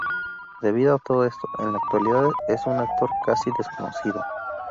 Debido a todo esto, en la actualidad es un autor casi desconocido.